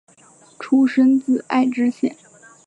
出身自爱知县。